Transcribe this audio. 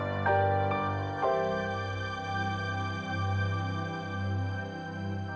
atuh atau urlnya berapa